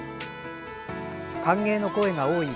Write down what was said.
歓迎の声が多い